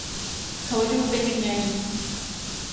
เขาดูเป็นยังไง